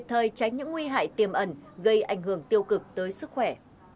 tới sức khỏe